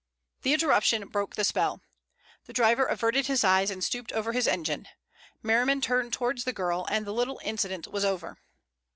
The interruption broke the spell. The driver averted his eyes and stooped over his engine; Merriman turned towards the girl, and the little incident was over.